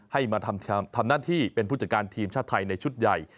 ให้มาทำหน้าที่เป็นผู้จัดการทีมชาติไทยในชุดใหญ่